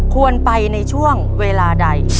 ควรไปในช่วงเวลาใด